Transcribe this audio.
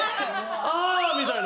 「あ」みたいな？